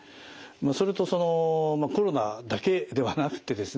それとそのコロナだけではなくてですね